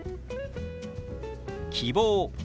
「希望」。